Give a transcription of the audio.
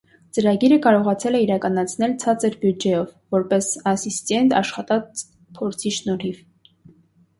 Ծրագիրը կարողացել է իրականացնել ցածր բյուջեով՝ որպես ասիստենտ աշխատած փորձի շնորհիվ։